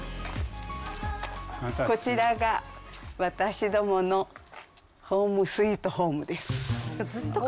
こちらが私どものホームスイートホームです。